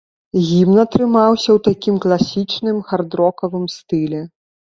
Гімн атрымаўся ў такім класічным хард-рокавым стылі.